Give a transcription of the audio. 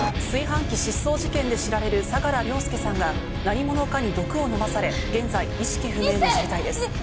炊飯器失踪事件で知られる相良凌介さんが何者かに毒を飲まされ現在意識不明の重体です。